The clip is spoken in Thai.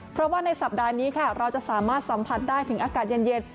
เพราะว่าในสัปดาห์นี้ค่ะเราจะสามารถสัมผัสได้ถึงอากาศเย็น